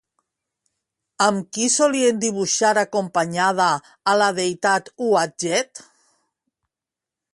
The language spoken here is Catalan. Amb qui solien dibuixar acompanyada a la deïtat Uadjet?